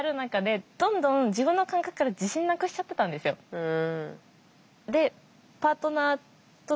うん。